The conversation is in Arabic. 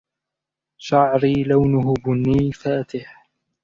شعري لونه بني فاتح.